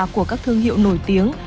của các thương hiệu nổi tiếng